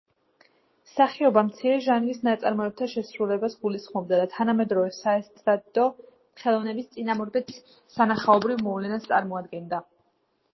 სახიობა მცირე ჟანრის ნაწარმოებთა შესრულებას გულისხმობდა და თანამედროვე საესტრადო ხელოვნების წინამორბედ სანახაობრივ მოვლენას წარმოადგენდა.